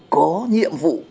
có nhiệm vụ